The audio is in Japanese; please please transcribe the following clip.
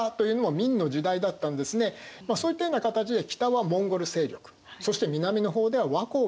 そういったような形で北はモンゴル勢力そして南の方では倭寇が攻めてくる。